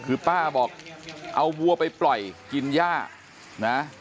คือป้าบอกเอาวัวไปปล่อยกินย่านะ